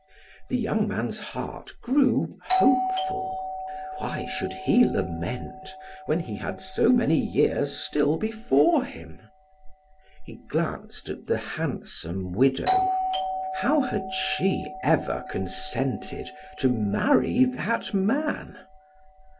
The young man's heart grew hopeful. Why should he lament when he had so many years still before him? He glanced at the handsome widow. How had she ever consented to marry that man?